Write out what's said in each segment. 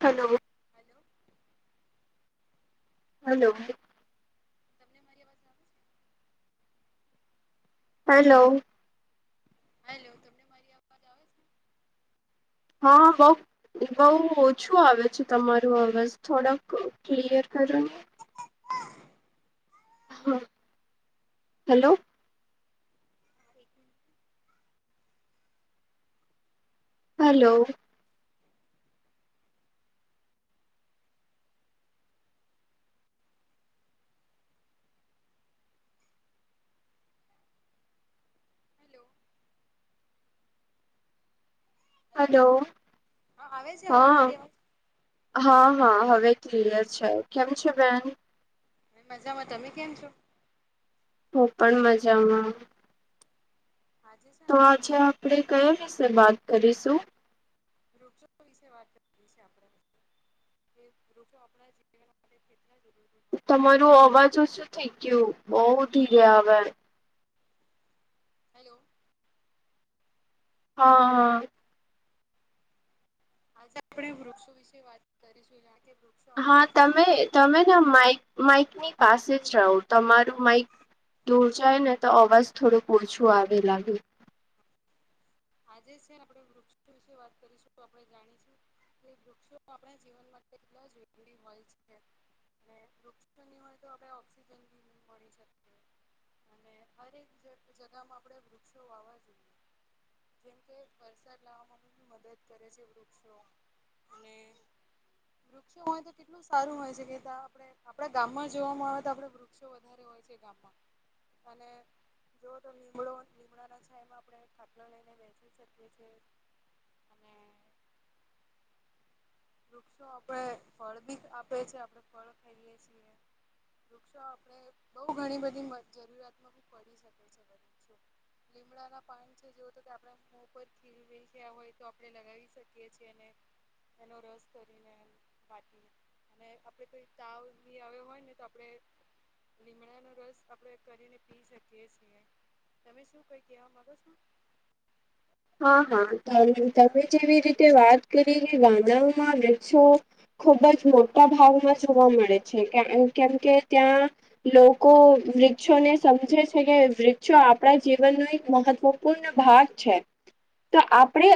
Hello. Hello. Hello. તમને મારી આવાજ આવે હાલો. હાલો તમને મારી અવાજ આવે છે? હ બો બઉ ઓછું આવે છે, તમારુ અવાજ થોડાક ક્લિયર કરો [inaudible] હ હાલો. થ [unintelligible] હાલો. હલો. હેલો હલો હા આવે છે, હવે હા મારી અવાજ હા હા હવે ક્લયર છે, કેમ છે, બેન? મે મજામાં તમે કેમ છો? હ પણ મજામાં. આજે છે ને તો આપણે આજે વૃક્ષો આપણેે કયા વિશે વાત કરીશું? વૃક્ષો વિશે વાત કરવી છે, આપણે કે વૃક્ષો આપણા જીવન માટે કેટલા [unintelligible] તમારું અવાજ ઓછુ થઇ ગયું બો ધીરે આવે હેલો. હા હા. આજે આપણે વૃક્ષો વિશે વાત કરીશું કારણ કે વૃ હા તમે તમેને માઈક માઈકની પાસે જ રહો તમારું માઈક દૂર જાય ને તો અવાજ થોડોક ઓછો આવે લાગે આજે છે, આપણે વૃક્ષો વિશે વાત કરીશું આપણે જાણીશું એ વૃક્ષો આપણા જીવન માટે એટલા જરૂરી હોય છે. ને વૃક્ષો ની હોય તો આપણે ઓઑક્સિજન બી ની મળી શકે અને હરેક જ જગામાં આપણે વૃક્ષો વાવા જોએ. જેમકે વરસાદ લાવવામાં બી મદદ કરે છે વૃક્ષો ને [unintelligible] વૃક્ષો હોય તો કેટલું સારું હોય છે કે વેદા આપડે આપડે ગામમાં જોવામાં આવે તો આપડે વૃક્ષો વધારે. હોય છે ગામમાં. અને જુઓ તો લીમડો લીમડાના છાયામાં આપણે ખાટલો લઈને બેેસી શકીએ છીએ. અને. વૃક્ષો આપડે ફળ બી આપે છે આપડે ફળ ખઈએ છીએ. વૃક્ષો આપણે બહુ ઘણી બધી જરૂરિયાતમાં બી પડી શકે છે. લીમડા ના પાન છે જેવ તો કે આપણે ઉપર ખીર વેખયા હોય તો આપડે લગાવી શકીએ છીએ ને એનો રસ કરીને વાટી અને આપડે કોઈ તાવ બી આવ્યો હોય ને તો આપણે લીમડાનો રસ આપણે કરીને પી શકીએ છીએ. તમે શું કઈ કેવા માગો છો હા હા તમે જેવી રીતે વાત કરી કે ગાનાઓમાં રે છો ખૂબ જ મોટા ભાવમાં જોવા મળે છે એમ કેમ કે ત્યાં લોકો વૃક્ષોને સમજે છે કે વૃક્ષો આપણા જીવનનું એક મહત્વ પૂર્ણ ભાગ છે. તો આપણે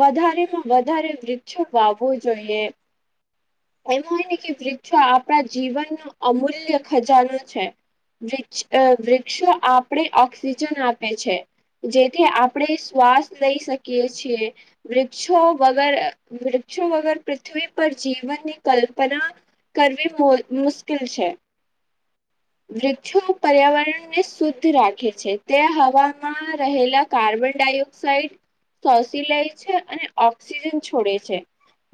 વધારેમાં વધારે વૃક્ષો વાવો જોઈએ. એમ હોય ને કે વૃક્ષો આપણા જીવનનું અમૂલ્ય ખજાનો છે. વક્ષ વૃક્ષો આપણેે ઓક્સિજન આપે છે જેથી આપણે શ્વાસ લઈ શકીએ છીએ. વૃક્ષો વગર વૃક્ષો વગર પૃથ્વી પર જીવનની કલ્પના કરવી બોજ મુશ્કીલ છે. [inaudible] વૃક્ષો પર્યાવરણ ને શુદ્ધ રાખે છે તે હવામાં રહેલા કાર્બનડાયોક્ સાઇડ સોસી લય છે અને ઓક્સિજન છોડે છે.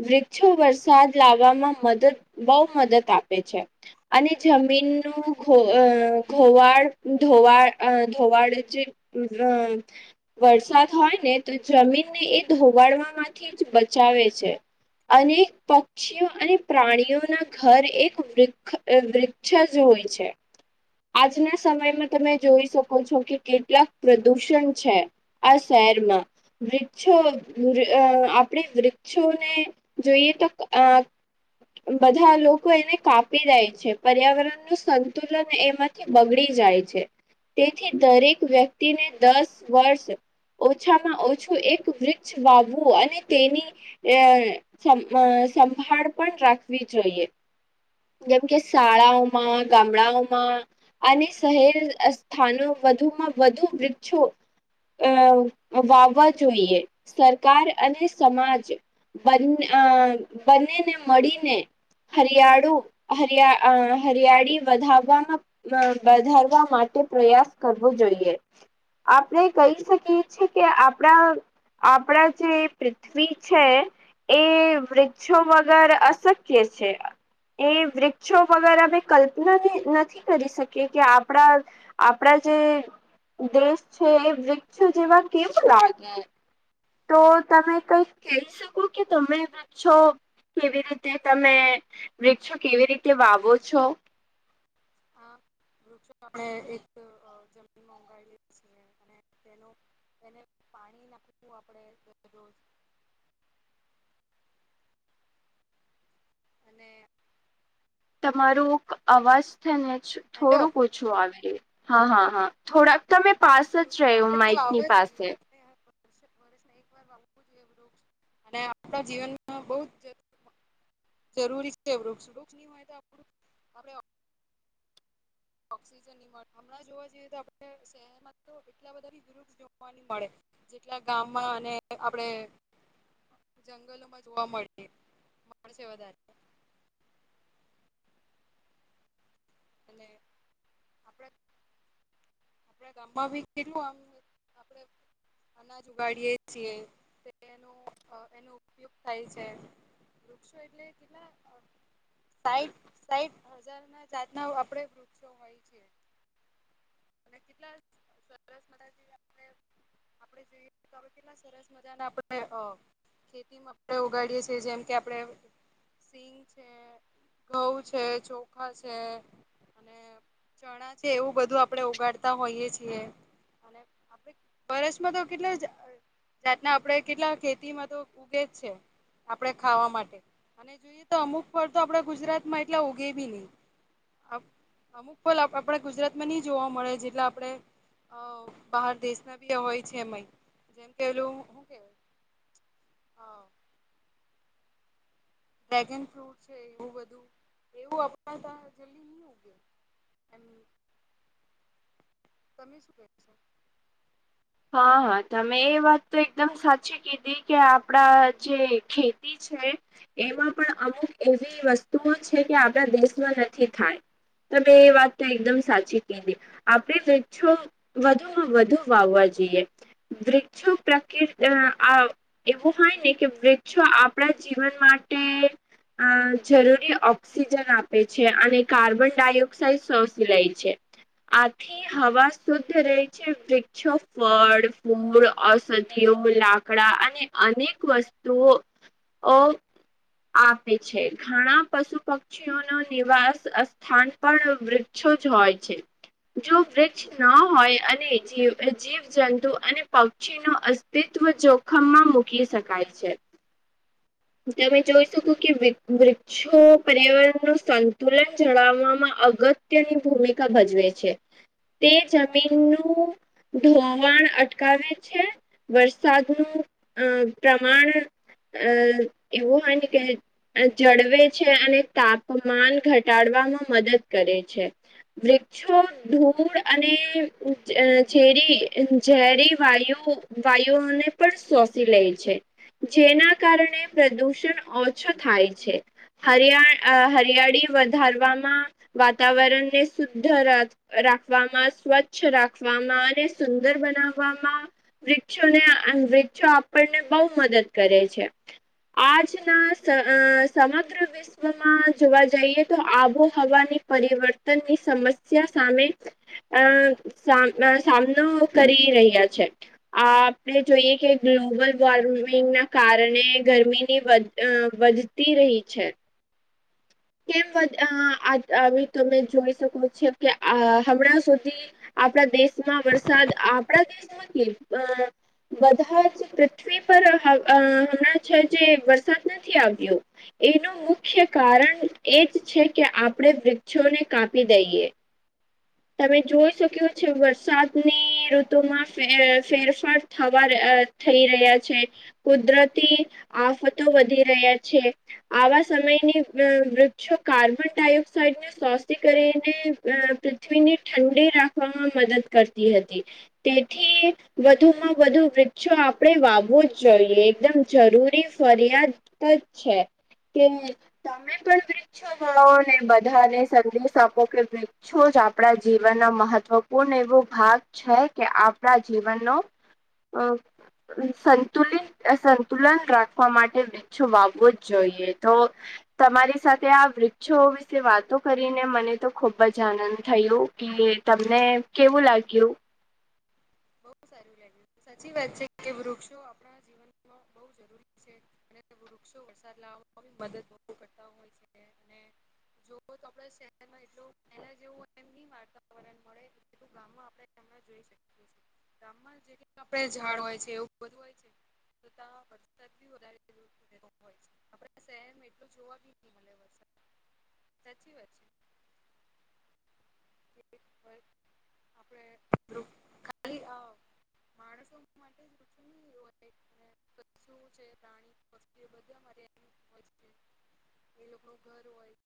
વૃક્ષો વરસાદ લાવવામાં મદદ બહુ મદદ આપે છે અને જમીનનું ખો અ ઘોવાળ ધોવાળ અ ધોવાળ જે અ વરસાદ હોય ને તો જમીનને એ ધોવાળવા માંથી જ બચાવે છે. અનેક પક્ષીઓ અને પ્રાણીઓના ઘર એક વૃ ખ વૃક્ષ જ હોય છે. આજના સમયમાં તમે જોઈ શકો છો કે કેટલાક પ્રદૂષણ છે. આ શહેરમાં વૃક્ષો અ આપણે વૃક્ષોને જોઈએ તો અ બધા લોકો એને કાપી દે છે પર્યાવરણ નું સંતુલન એમાં બગડી જાય છે તેથી દરેક વ્યક્તિને દસ વર્ષ ઓછામાં ઓછું એક વૃક્ષ વાવવું અને તેની અ સમ સંભાળ પણ રાખવી જોઈએ. જેમ કે શાળાઓમાં ગામડાઓમાં અને શહેર અ સ્થાનો વધુમાં વધુ વૃક્ષો અ વાવવા જોઈએ સરકાર અને સમાજ બન અ બને ને મળીને હરિયાળુ હરિયા અ હરિયાળી વધાવવામાં વધારવા માટે પ્રયાસ કરવો જોઈએ આપણે કહી શકીએ. છે કે આપણા આપણા જે પૃથ્વી છે. એ વૃક્ષો વગર અશક્ય છે. એ વૃક્ષો વગર અમે કલ્પના નથી કરી શકી કે આપણા આપણા જે દેશ છે એ વૃક્ષ જેવા કેવું લાગે તો તમે કંઈક કહી શકો કે તમે પાછો કેવી રીતે તમે વૃક્ષો કેવી રીતે વાવો છો? હા વૃક્ષો અમે એક જમીનમાં ઉઘાડીએ છીએ. અને તેનો એને પાણી નાખવું આપણે દરરોજ. અને તમારું અવાજ છે ને જ હેલો થોડુંક ઓછું આવે રહ્યું. હા હા હા થોડાક તમે પાસ જ વૃક્ષો રહ્યો માઈકની પાસે. વર્ષે વર્ષમાં એક વાર વાવવું જોઈએ વૃક્ષ. અને આપણા જીવનમાં બહુ જ જરૂરી [inaudible] જરૂરી છે વૃક્ષ. વૃક્ષ ની હોય તો આપણું આપણે ઓક ઓક્સિજન ની મળે. હમણાં જોવા જઈએ તો આપણે શહેરમાં તો એટલા બધા બી વૃ વૃક્ષ જોવા ની મળે. જેટલા ગામમાં અને આપણે જંગલોમાં જોવા મળે મળશે વધારે. અને આપણા આપણા ગામમાં ભી કેટલું આમ આપડે અનાજ ઉગાડીયે છીએ. તે એનો અ એનો ઉપયોગ થાય છે. વૃક્ષો એટલે કેટલા અ સાઈઠ સાઈઠ હજાર ના જાતના આપડે વૃક્ષો હોય છે. અને કેટલા સરસ મજાથી આપણે આપણે જોઈએ તો આપે કેટલા સ સરસ મજાના આપણે અ ખેતીમાં આપણે ઉગાડીએ છીએ. જેમ કે આપણેે સિંગ છે, ઘઉં છે, ચોખા છે, અને ને ચણા છે એવું બધું આપણેે ઉગાડતા હોઈએ છીએ. અને આપણે વર્ષમાં તો કેટલા ઝાડ જાતના આપડે કેટલા ખેતીમાં તો ઉગે જ છે. આપણે ખાવા માટે. અને જોઈએ તો અમુક ફળ તો આપણા ગુજરાતમાં એટલા ઉગે બી નહી. અ અમુક ફલ આપણા ગુજરાતમાં ની જોવા મળે જેટલા આપણે અ બહાર દેશના બી હોય છે એમઈ. જેમ કે ઓલું હું કેવાય અ ડ્રેગન ફ્રૂટ છે એવું બધું તો એવું આપણા ત્યાં જલ્દી ની ઉગે. એમ તમે શું કહેશો? હા હા તમે એ વાત તો એકદમ સાચી કીધી કે આપણા જે ખેતી છે. એમાં પણ અમુક એવી વસ્તુઓ છે કે આપણા દેશમાં નથી થાય. તમે એ વાત તો એકદમ સાચી કધી. આપણે વૃક્ષો વધુમાં વધુ વાવવા જોઈએ. વૃક્ષો પ્રક એ આ એવું હોય ને કે વૃક્ષો આપણા જીવન માટે આ જરૂરી ઓક્સિજન આપે છે, અને કાર્બન ડાયોક્સાઇડ શોશી લે છે. આથી હવા શુદ્ધ રહે છે. વૃક્ષો ફળ, ફૂલ, ઔષધિઓ, લાકડા અને અનેક વસ્તુઓ ઓ આપે છે. ઘણા પશુ, પક પક્ષીઓનો નિવાસ અ સ્થાન પણ વૃક્ષો જ હોય છે. જો વૃક્ષ ન હોય અને જીવ અ જીવ જંતુ અને પક્ષીનો અસ્તિત્વ જોખમમાં મૂકી શકાય છે. તમે જોઈ શકો કે વૃક વૃક્ષો પર્યાવરણનું સંતુલન જડાવવામાં અગત ત્યની ભૂમિકા ભજવે છે. તે જમીનનું ધોવ વાણ અટકાવે છે. વરસાદનું અ પ્રમાણ અ એવું હોય ને કે અ જળવે છે. અને તાપમાન ઘટાડવામાં મદદ કરે છે. વૃક્ષો ધૂળ અને અ જેરી એમ ઝેરી વાયુ વાયુઓને પણ શોષી લે છે. જેના કારણે પ્રદુષણ ઓછો થાય છે. હરિયા અ હરિયાળી વધારવામાં વાતાવરણને શુદ્ધ રાખવામાં સ્વચ્છ રાખવામાં અને સુંદર બનાવવામાં વૃક્ષોને વૃક્ષો આપણને બહુ મદદ કરે છે. આજના સમગ્ર વિ વિશ્વમાં જોવા જઈએ તો આબોહવાની પરિવર્તનની સમસ્યા સામે અ સા સામનો કરી રહ્યા છે. આ આપણે જોઈએ કે ગ્લોબલ વોર્મિંગના કારણે ગરમીની વધ તી રહી છે. કેમ આવી તમે જોઈ શકો છો કે હમણાં સુધી આપણા દેશમાં વરસાદ આપણા દેશમાંથી અ બધા જ પૃથ્વી પર હમણાં છે જે વરસાદ નથી આવ્યો. એનું મુખ્ય કારણ એ જ છે કે આપણે વૃક્ષોને કાપી દઈએ. [inaudible] તમે જોઈ શક્યો છે વરસાદની ઋતુમાં ફેરફાર થવા થઈ રહ્યા છે કુદરતી આફતો વધી રહ્યા છે. આવા સમયની વૃક્ષો કાર્બન ડાયોક્સાઇડ [unintelligible] કરીને પૃથ્વીની ઠંડી રાખવામાં મદદ કરતી હતી. તેથી વધુમાં વધુ વૃક્ષો આપણે વાવવો જ જોઈએ એકદમ જરૂરી ફરિયાદ જ છે કે તમે પણ વૃક્ષો વાવોને બધાને સંદેશ આપો કે છો જ આપણા જીવનનો મહત્વપૂર્ણ એવો ભાગ છે કે આપણા જીવનનો અ સંતુલિત સંતુલન રાખવા માટે ઓછું વાવવું જ જોઈએ તો તમારી સાથે તે આ વૃક્ષો વિશે વાતો કરીને મને તો ખૂબ જ આનંદ થયો કે તમને કેવું લાગ્યું? બહુ સારું લાગ્યું સાચી વાત છે કે વૃક્ષો આપણા જીવન મા બોવ જરૂરી છે અને વૃક્ષો વરસાદ લાવવામાં મદદ કરતા હોય છે. જો તો આપડા શહેરમાં એટલું એલા જેવું હોય વાતાવરણ મળે એટલુ ગામમાં આપણે તેમને જોઈ શકીએ. ગામમાં જે ક આપડ ઝાડ હોય છે એવું બધું હોય છે. [unintelligible] બોવ હોય છે આપડા શહેરમાં એટલું જોવા બી ન મળે વરસાદ સાચી વાત છે. આપણે ખાલી માણસો માટે [unintelligible] શું છે રાણી [unintelligible] એ લોકો ઘર હોય